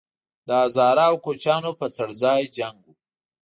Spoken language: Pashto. د هزاره او کوچیانو په څړځای جنګ وو